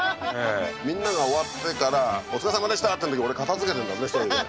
みんなが終わってからお疲れさまでしたって時俺片づけてんだぜ１人で。